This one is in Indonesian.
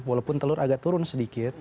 walaupun telur agak turun sedikit